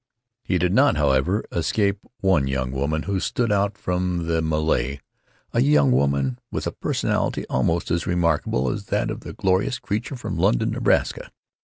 He did not, however, escape one young woman who stood out from the mêlée—a young woman with a personality almost as remarkable as that of the glorious creature from London, Nebraska.